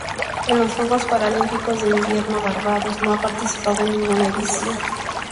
En los Juegos Paralímpicos de Invierno Barbados no ha participado en ninguna edición.